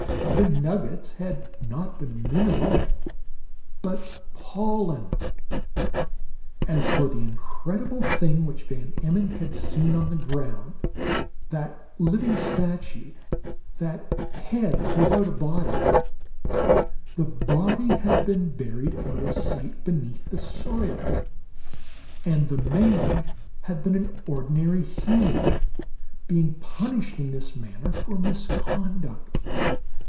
The "nuggets" had been not mineral, but pollen. As for the incredible thing which Van Emmon had seen on the ground; that living statue; that head without a body the body had been buried out of sight beneath the soil; and the man had been an ordinary human, being punished in this manner for misconduct.